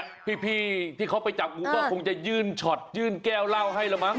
พี่ที่เขาไปจับงูก็คงจะยื่นช็อตยื่นแก้วเหล้าให้แล้วมั้